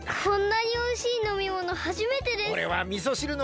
こんなにおいしいのみものはじめてです！